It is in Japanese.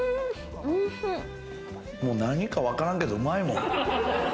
何かわからんけど、うまいもん。